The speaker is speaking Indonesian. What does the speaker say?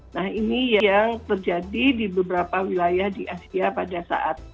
nah ini yang terjadi di beberapa wilayah di asia pada saat